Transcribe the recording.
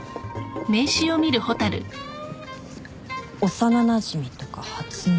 幼なじみとか初耳。